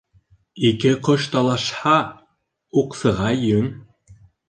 Ике ҡош талашһа, уҡсыға йөн.